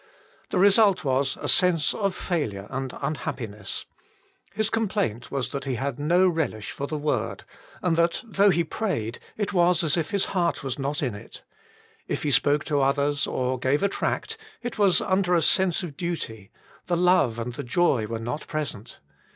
The result was a sense of failure and unhappiness. 78 WHO SHALL DELIVER? 79 His complaint was that he had no relish for the Word, and that though he prayed, it was as if his heart was not in it. If he spoke to others, or gave a tract, it was under a sense of duty : the love and the joy were not present.